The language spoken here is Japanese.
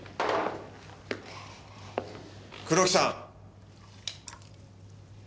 黒木さん！